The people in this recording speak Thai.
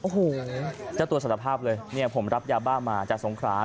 โอ้โหเจ้าตัวสารภาพเลยเนี่ยผมรับยาบ้ามาจากสงครา